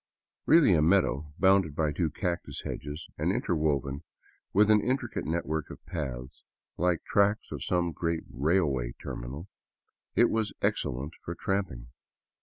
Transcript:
Really a meadow, bounded by two cactus hedges and interwoven with an intricate network of paths, like the tracks of some great railway terminal, it was excellent for tramping.